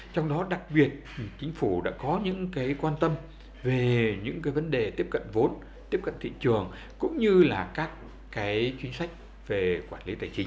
trong đó đặc biệt chính phủ đã có những quan tâm về những vấn đề tiếp cận vốn tiếp cận thị trường cũng như các chuyên sách về quản lý tài chính